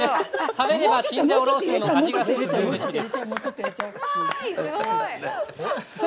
食べればチンジャオロースーの味がするというレシピです。